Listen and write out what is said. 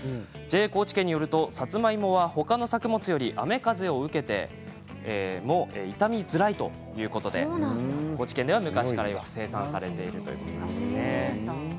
ＪＡ高知県によるとさつまいもは他の作物より雨風を受けても傷みづらいということで高知県では昔から、よく生産されているということなんですね。